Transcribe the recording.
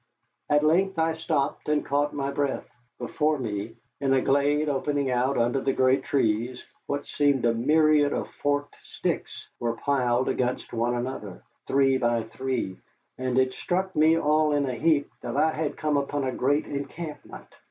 At length I stopped and caught my breath. Before me, in a glade opening out under great trees, what seemed a myriad of forked sticks were piled against one another, three by three, and it struck me all in a heap that I had come upon a great encampment.